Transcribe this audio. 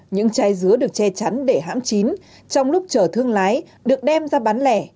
những chai dứa được che chắn để hãm chín trong lúc chở thương lái được đem ra bán lẻ